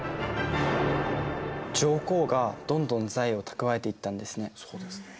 上皇がどんどん財を蓄えていったんですね。